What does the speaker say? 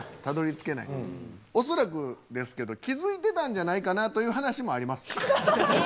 恐らくですけど気付いてたんじゃないかなという話もあります。